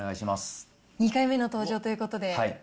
２回目の登場ということで。